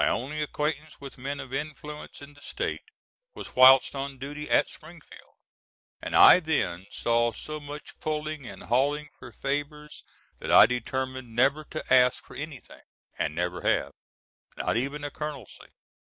My only acquaintance with men of influence in the State was whilst on duty at Springfield, and I then saw so much pulling and hauling for favors that I determined never to ask for anything, and never have, not even a colonelcy.